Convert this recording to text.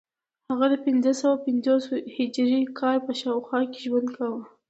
هغه د پنځه سوه پنځوس هجري کال په شاوخوا کې ژوند کاوه